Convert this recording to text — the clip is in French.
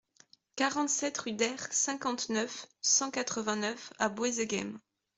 quarante-sept rue d'Aire, cinquante-neuf, cent quatre-vingt-neuf à Boëseghem